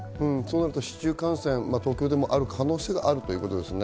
市中感染、東京でもあるという可能性があるということですね。